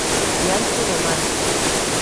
Diante do Marco.